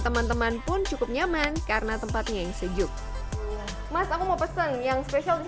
teman teman pun cukup nyaman karena tempatnya yang sejuk mas aku mau pesen yang spesialis